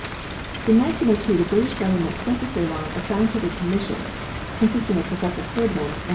In 1902 the British Government sent to Ceylon a scientific commission (consisting of Prof. Herdman and Mr J.